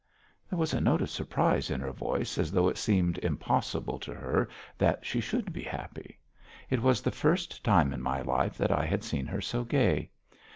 There was a note of surprise in her voice as though it seemed impossible to her that she should be happy. It was the first time in my life that I had seen her so gay.